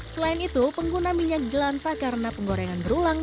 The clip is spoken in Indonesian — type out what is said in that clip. selain itu pengguna minyak jelantah karena penggorengan berulang